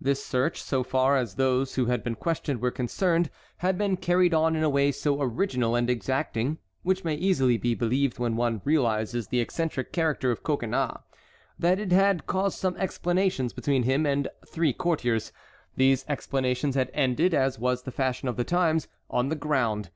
This search, so far as those who had been questioned were concerned, had been carried on in a way so original and exacting (which may easily be believed when one realizes the eccentric character of Coconnas) that it had caused some explanations between him and three courtiers. These explanations had ended, as was the fashion of the times, on the ground.